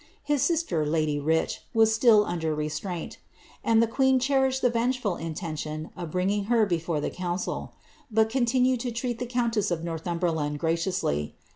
His sister, lady Rich, was still under restraint ; and the queen cherished the vengeful intention of bringing her before the council ; but continued to treat the countess of Northumberiand graciously.